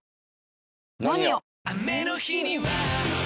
「ＮＯＮＩＯ」！